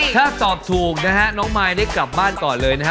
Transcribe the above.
ถ้าตอบถูกนะฮะน้องมายได้กลับบ้านก่อนเลยนะฮะ